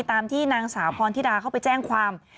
ตามที่นางสาวพรธิดาเข้าไปแจ้งความ